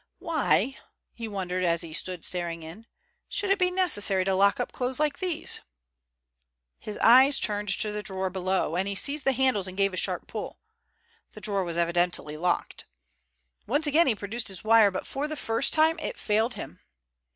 "Why," he wondered as he stood staring in, "should it be necessary to lock up clothes like these?" His eyes turned to the drawer below, and he seized the handles and gave a sharp pull. The drawer was evidently locked. Once again he produced his wire, but for the first time it failed him.